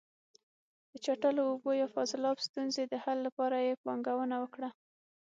د چټلو اوبو یا فاضلاب ستونزې د حل لپاره یې پانګونه وکړه.